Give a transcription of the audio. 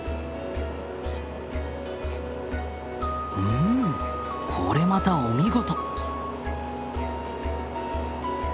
んこれまたお見事。